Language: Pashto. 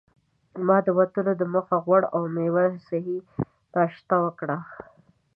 ما د وتلو دمخه د غوړ او میوو صحي ناشته وکړه.